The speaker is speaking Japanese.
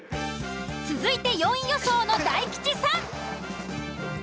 続いて４位予想の大吉さん。